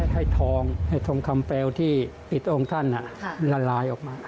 ให้ทองให้ทองคำเปลวที่พระองค์ท่านละลายออกมา